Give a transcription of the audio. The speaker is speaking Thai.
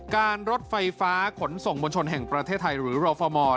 การรถไฟฟ้าขนส่งชนแห่งประเทศไทยหรือโรฟอลมอร์